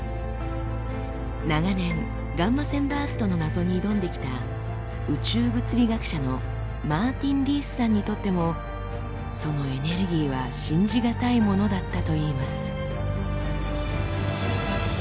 長年ガンマ線バーストの謎に挑んできた宇宙物理学者のマーティン・リースさんにとってもそのエネルギーは信じ難いものだったといいます。